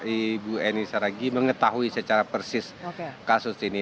ibu eni saragi mengetahui secara persis kasus ini